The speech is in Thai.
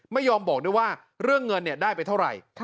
ไม่ยอมบอกด้วยว่าเรื่องเงินได้ไปเท่าไหร่